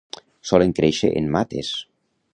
Solen créixer en mates.